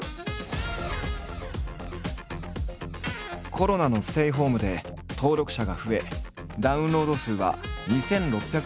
コロナのステイホームで登録者が増えダウンロード数は２，６００万を超える。